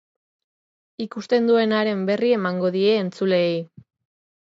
Ikusten duenaren berri emango die entzuleei.